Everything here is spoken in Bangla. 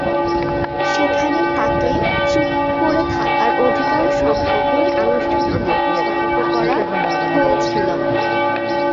সেখানে তাকে চুপ থাকার অধিকার সম্পর্কে আনুষ্ঠানিকভাবে সতর্ক করা হয়েছিল।